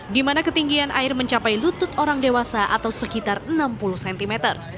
di mana ketinggian air mencapai lutut orang dewasa atau sekitar enam puluh cm